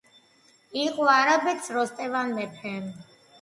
იყო არაბეთს როსტევან მეფე